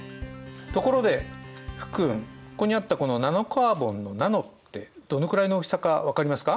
ところで福君ここにあったこの「ナノカーボン」の「ナノ」ってどのくらいの大きさか分かりますか？